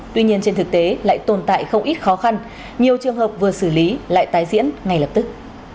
tuy nhiên trên thực tế lại tồn tại không ít khó khăn nhiều trường hợp vừa xử lý lại tái diễn ngay lập tức